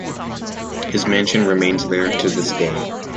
His mansion remains there to this day.